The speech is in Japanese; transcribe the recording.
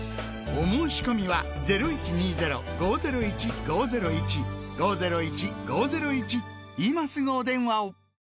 お申込みは今すぐお電話を！